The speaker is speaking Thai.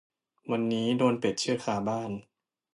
วันนี้โดนเป็ดเชือดคาบ้าน